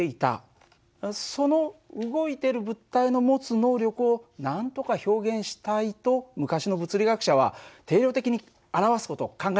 その動いてる物体の持つ能力をなんとか表現したいと昔の物理学者は定量的に表す事を考えたんだよ。